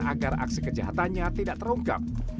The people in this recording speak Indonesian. agar aksi kejahatannya tidak terungkap